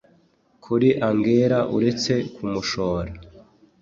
kuri angella uretse kumushora